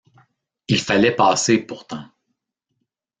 Il fallait passer pourtant.